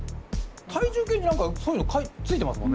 体重計に何かそういうのついてますもんね。